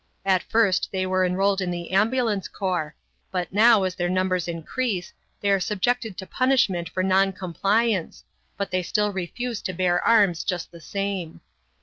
At first they were enrolled in the ambulance corps, but now, as their numbers increase, they are subjected to punishment for non compliance, but they still refuse to bear arms just the same.